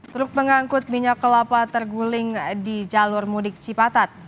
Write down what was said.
truk pengangkut minyak kelapa terguling di jalur mudik cipatat